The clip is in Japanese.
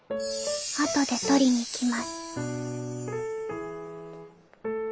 あとで取りに来ます。